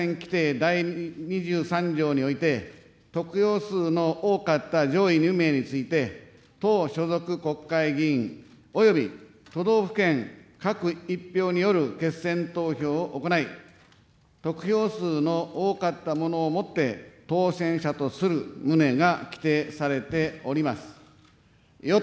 第２３条において、得票数の多かった上位２名について、党所属国会議員および都道府県各１票による決選投票を行い、得票数の多かったものをもって、当選者とする旨が規程されております。